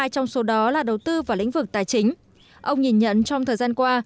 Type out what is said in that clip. hai trong số đó là đầu tư vào lĩnh vực tài chính ông nhìn nhận trong thời gian qua